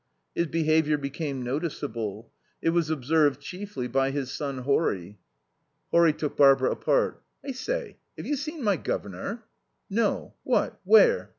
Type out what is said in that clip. His behaviour became noticeable. It was observed chiefly by his son Horry. Horry took Barbara apart. "I say, have you seen my guv'nor?" "No. What? Where?"